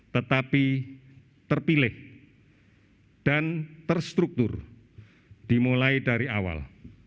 tetapi terpilih dan terstruktur dimulai dari awal